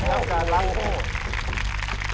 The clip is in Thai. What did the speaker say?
สวัสดีครับ